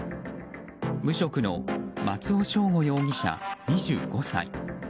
無職の松尾将吾容疑者、２５歳。